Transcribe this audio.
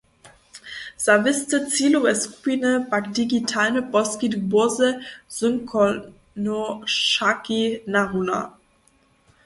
Za wěste cilowe skupiny pak digitalny poskitk bórze zynkonošaki naruna.